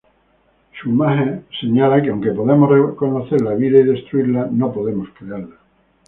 Schumacher señala que aunque podemos reconocer la vida y destruirla, no podemos crearla.